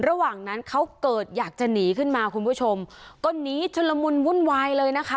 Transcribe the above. ระหว่างนั้นเขาเกิดอยากจะหนีขึ้นมาคุณผู้ชมก็หนีชุลมุนวุ่นวายเลยนะคะ